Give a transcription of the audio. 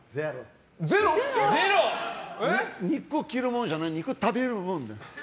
ゼロ？肉は切るもんじゃない肉は食べるものだよ。